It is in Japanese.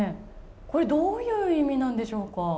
これはどういう意味なんでしょうか。